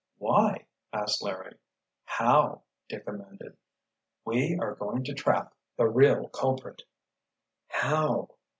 "Why?" asked Larry. "How?" Dick amended. "We are going to trap the real culprit." "How?"